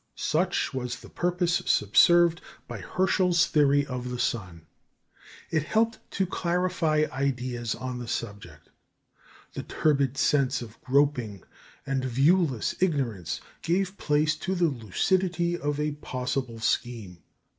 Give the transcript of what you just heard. Such was the purpose subserved by Herschel's theory of the sun. It helped to clarify ideas on the subject. The turbid sense of groping and viewless ignorance gave place to the lucidity of a possible scheme.